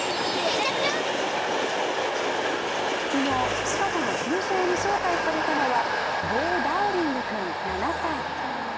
昨日、シカゴの球場の招待されたのはボウ・ダウリング君７歳。